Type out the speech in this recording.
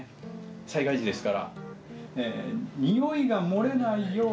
災害時ですから。